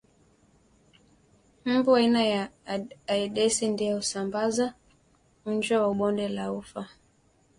Mbu aina ya Aedesi ndiye husambaza unjwa wa bonde la ufa